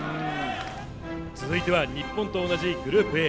続いては日本と同じグループＡ。